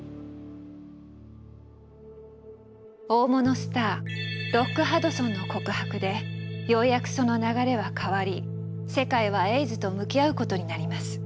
大物スターロック・ハドソンの告白でようやくその流れは変わり世界はエイズと向き合うことになります。